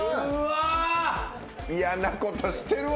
嫌なことしてるわ。